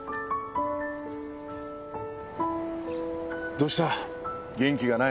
どうした？